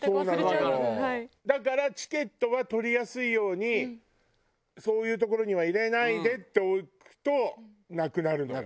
だからチケットは取りやすいようにそういう所には入れないでってしておくとなくなるのよ。